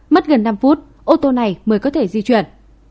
mất gần năm phút ô tô này mới có thể di chuyển